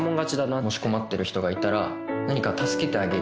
もし困ってる人がいたら何か助けてあげるっていう。